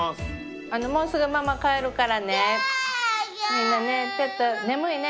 みんなねちょっと眠いね。